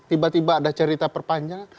tiba tiba ada cerita perpanjangan